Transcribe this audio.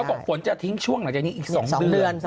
เขาบอกว่าฝนจะทิ้งช่วงเหลือจากนี้อีก๒เดือน